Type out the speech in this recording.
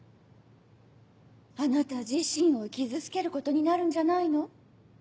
あなた自身を傷つけることになるんじゃないの？